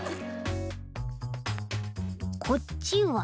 こっちは？